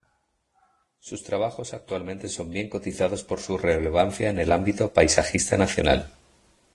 Sus trabajos actualmente son bien cotizados por su relevancia en el ámbito paisajista nacional.